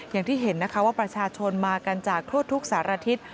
อย่างที่เห็นนะคะว่าประชาชนมากันจากทั่วทุกสารทิศ